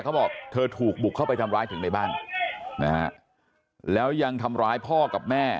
เขาบอกเธอถูกบุกเข้าไปทำร้ายถึงในบ้านนะฮะแล้วยังทำร้ายพ่อกับแม่